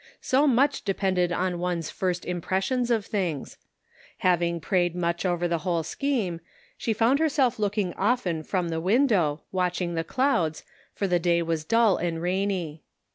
So much depended on one's first impressions of things. Having prayed much over the whole scheme, she found herself looking often from the window, watching the clouds, for the day was dull and rainy.